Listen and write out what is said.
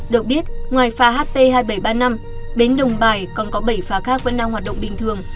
được biết ngoài phà hp hai nghìn bảy trăm ba mươi năm bến đồng bài còn có bảy phà khác vẫn đang hoạt động bình thường